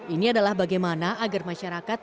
ini adalah bagaimana agar masyarakat